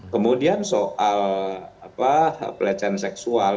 kemudian soal pelecehan seksual